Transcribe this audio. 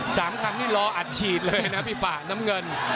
สามคำนี่รออัดฉีดเลยนะพี่ป่าน้ำเงิน